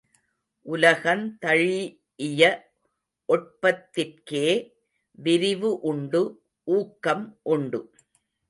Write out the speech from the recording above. உலகந் தழீஇய ஒட்பத்திற்கே விரிவு உண்டு, ஊக்கம் உண்டு.